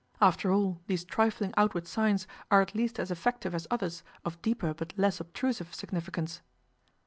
After all, these trifling outward signs are at least as effective as others of deeper but less obtrusive significance.